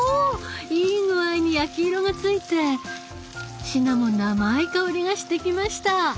いい具合に焼き色がついてシナモンの甘い香りがしてきました。